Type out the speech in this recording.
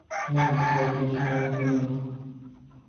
না, দাঁড়াও, কিছু মনে করো না।